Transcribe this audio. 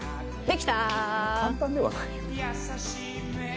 できた！